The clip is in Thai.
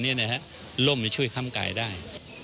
นะฮะล่มไม่ช่วยค่ำกายได้